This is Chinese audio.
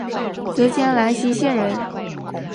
浙江兰溪县人。